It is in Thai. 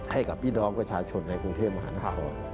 ให้กับพี่น้องประชาชนในกรุงเทพมหานคร